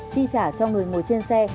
chi trả cho người ngồi trên xe